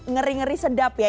ngeri ngeri sedap ya